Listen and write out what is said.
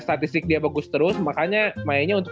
statistik dia bagus terus makanya mainnya untuk